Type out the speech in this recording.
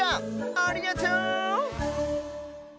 ありがとう！